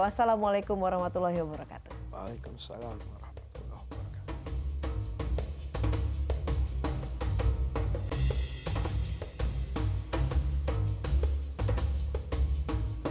wassalamualaikum warahmatullahi wabarakatuh